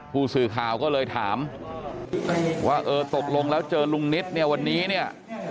ผู้สื่อข่าวก็เลยถามว่าตกลงแล้วเจอลุงนิตวันนี้